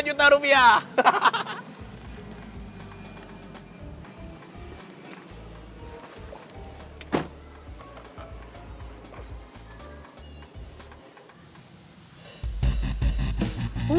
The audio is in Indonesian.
tiga juta rupiah